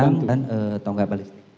benang dan tongkat balistik